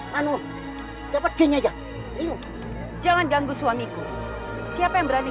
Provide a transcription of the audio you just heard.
kamu berapa pak kamu sudah merusak desa ini